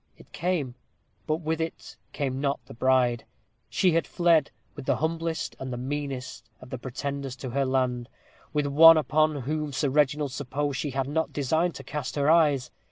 It came. But with it came not the bride. She had fled, with the humblest and the meanest of the pretenders to her hand with one upon whom Sir Reginald supposed she had not deigned to cast her eyes.